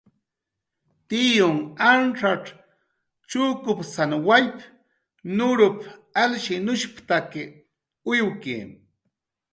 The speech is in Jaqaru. "Tiyunh ancxacx chukpasan wallp"" nurup"" alshinushp""taki uyuki."